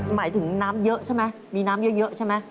หมายถึงน้ำเยอะใช่ไหมมีน้ำเยอะใช่ไหม